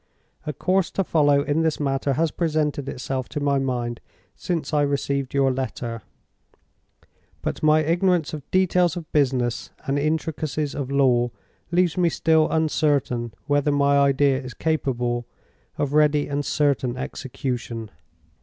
A course to follow in this matter has presented itself to my mind since I received your letter, but my ignorance of details of business and intricacies of law leaves me still uncertain whether my idea is capable of ready and certain execution.